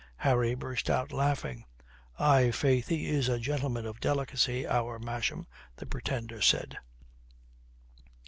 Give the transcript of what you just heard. Harry burst out laughing. "Aye, faith, he is a gentleman of delicacy, our Masham," the Pretender said.